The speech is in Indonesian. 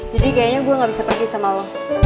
jadi kayaknya gue gak bisa pergi sama lo